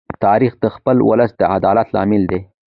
تاریخ د خپل ولس د عدالت لامل دی.